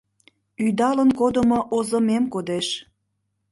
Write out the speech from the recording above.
Ӱдалын кодымо озымем кодеш -